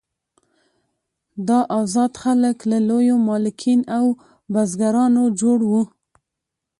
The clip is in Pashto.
دا آزاد خلک له لویو مالکین او بزګرانو جوړ وو.